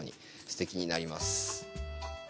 すてきになります。